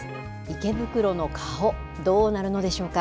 池袋の顔どうなるのでしょうか。